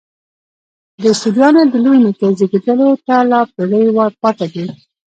د سوریانو د لوی نیکه زېږېدلو ته لا پېړۍ پاته دي.